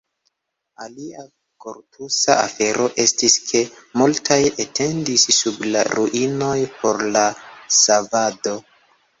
Alia kortuŝa afero estis, ke multaj atendis sub la ruinoj por la savado.